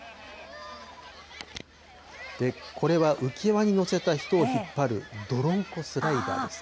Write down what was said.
これは浮き輪に乗せた人を引っ張る、どろんこスライダーです。